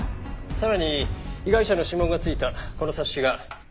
さらに被害者の指紋が付いたこの冊子が。